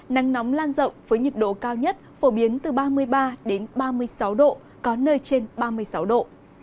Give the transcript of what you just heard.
nắng nóng lan rộng với nhiệt độ cao nhất phổ biến từ ba mươi ba đến ba mươi sáu độ có nơi trên ba mươi sáu độ